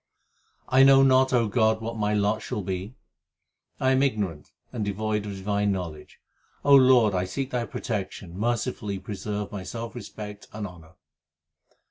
I know not, O God, what my lot shall be. I am ignorant and devoid of divine knowledge ; O Lord, I seek Thy protection, mercifully preserve my self respect and honour.